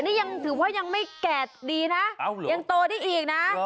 นี่ยังถือว่ายังไม่แก่ดีนะยังโตได้อีกนะ